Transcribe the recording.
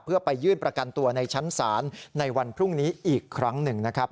เพื่อไปยื่นประกันตัวในชั้นศาลในวันพรุ่งนี้อีกครั้งหนึ่งนะครับ